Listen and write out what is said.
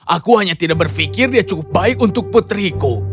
aku hanya tidak berpikir dia cukup baik untuk putriku